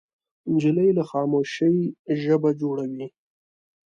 نجلۍ له خاموشۍ ژبه جوړوي.